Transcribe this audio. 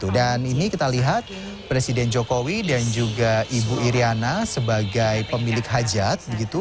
dan ini kita lihat presiden jokowi dan juga ibu iryana sebagai pemilik hajat